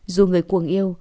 dù người cuồng yêu